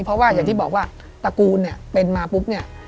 เพราะว่าอย่างที่บอกว่าตระกูลเป็นมาปุ๊บ